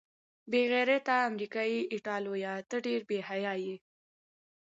بې غیرته امریکايي ایټالویه، ته ډېر بې حیا یې.